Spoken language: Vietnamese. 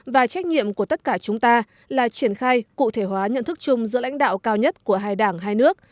và trách nhiệm của tất cả chúng ta là triển khai cụ thể hóa nhận thức chung giữa lãnh đạo cao nhất của hai đảng hai nước